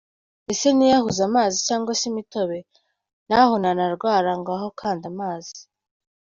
Ese niyahuze amazi cyangwa se imitobe ? Naho nanarwara, ngaho kanda amazi.